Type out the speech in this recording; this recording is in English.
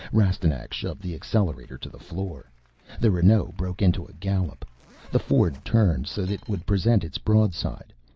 Rastignac shoved the accelerator to the floor. The Renault broke into a gallop. The Ford turned so that it would present its broad side.